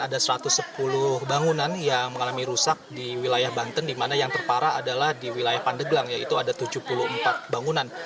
ada satu ratus sepuluh bangunan yang mengalami rusak di wilayah banten di mana yang terparah adalah di wilayah pandeglang yaitu ada tujuh puluh empat bangunan